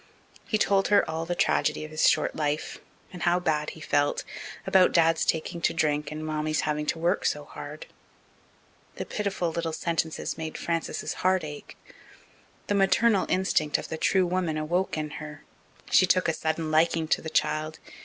He told her all the tragedy of his short life, and how bad he felt, about Dad's taking to drink and Mammy's having to work so hard. The pitiful little sentences made Frances's heart ache. The maternal instinct of the true woman awoke in her. She took a sudden liking to the child.